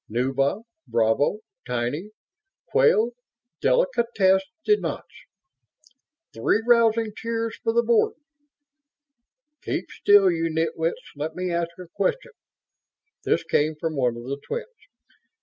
_" "Nubile! Bravo, Tiny! Quelle delicatesse de nuance!" "Three rousing cheers for the Board!" "Keep still, you nitwits! Let me ask a question!" This came from one of the twins.